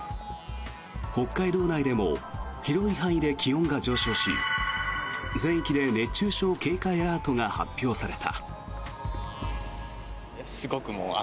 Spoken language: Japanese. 北海道内でも広い範囲で気温が上昇し全域で熱中症警戒アラートが発表された。